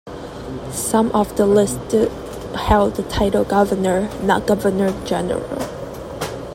Some of the listed held the title Governor, not Governor-General.